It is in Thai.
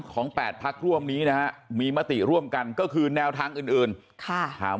๘พักร่วมนี้นะฮะมีมติร่วมกันก็คือแนวทางอื่นค่ะถาม